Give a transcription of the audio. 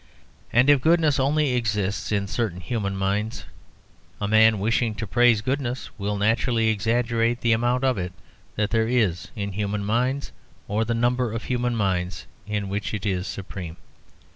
And if goodness only exists in certain human minds, a man wishing to praise goodness will naturally exaggerate the amount of it that there is in human minds or the number of human minds in which it is supreme.